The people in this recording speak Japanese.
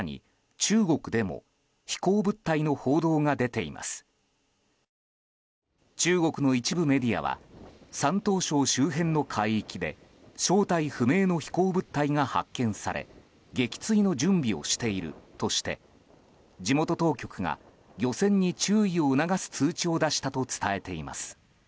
中国の一部メディアは山東省周辺の海域で正体不明の飛行物体が発見され撃墜の準備をしているとして地元当局が漁船に注意を促す通知を出したと伝えています。